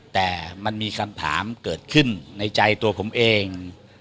แต่มันมีคำถามเกิดขึ้นในใจตัวผมเอง